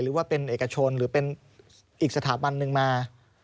หรือว่าเป็นเอกชนหรือเป็นอีกสถาบันหนึ่งมา